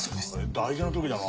大事なときだな。